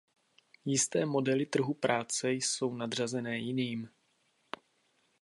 Jisté modely trhu práce jsou nadřazené jiným.